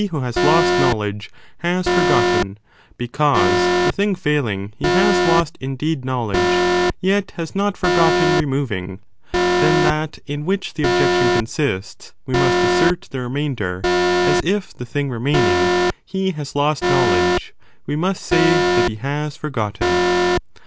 519 has lost knowledge, has forgotten, because the thing failing, he has lost indeed knowledge, yet has not forgotten removing: then that, in which the objection consists, we must assert the remainder, as if, the thing remaining, he has lost knowledge, (we must say) that he has forgotten.